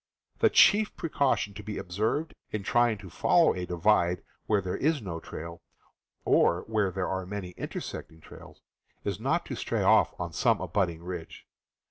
The chief precaution to be observed in trying to follow a divide where there is no trail, or where there are many intersecting trails, is not to stray off on some abutting ridge.